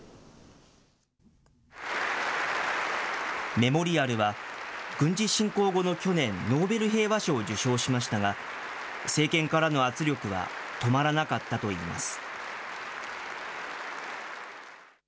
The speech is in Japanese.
メモリアルは、軍事侵攻後の去年、ノーベル平和賞を受賞しましたが、政権からの圧力は止まらなかったといいます。